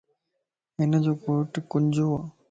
ھنجو ڪوٽ ڪنجووَ